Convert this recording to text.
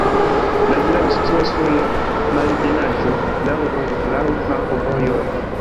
La vilaĝo situas sur malebenaĵo, laŭ rojo, laŭ flankovojoj.